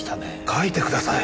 書いてください。